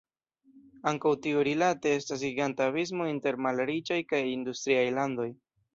Ankaŭ tiurilate estas giganta abismo inter malriĉaj kaj industriaj landoj.